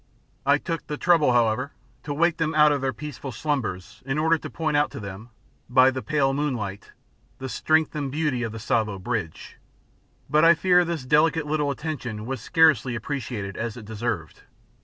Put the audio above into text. I took the trouble, however, to wake them out of their peaceful slumbers in order to point out to them, by the pale moonlight, the strength and beauty of the Tsavo bridge; but I fear this delicate little attention was scarcely appreciated as it deserved.